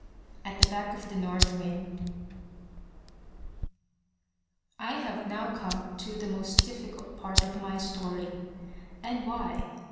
AT THE BACK OF THE NORTH WIND I HAVE now come to the most difficult part of my story. And why?